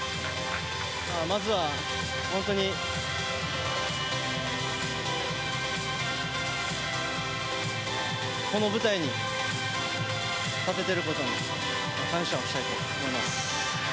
まずは本当にこの舞台に立てていることに感謝をしたいと思います。